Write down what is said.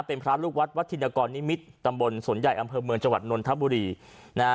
เป็นพระลูกวัดวัดธินกรนิมิตรตำบลสวนใหญ่อำเภอเมืองจังหวัดนนทบุรีนะฮะ